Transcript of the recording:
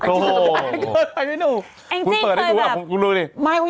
ใช่ไหม